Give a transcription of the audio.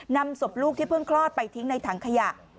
นำศพลูกที่เพิ่งคลอดไปทิ้งในถังขยะ